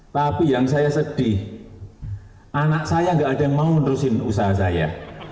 tapi yang saya sedih anak saya gak ada yang mau menerusin usaha saya